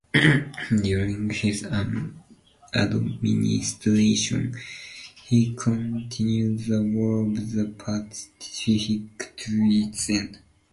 During his administration, he continued the War of the Pacific to its end.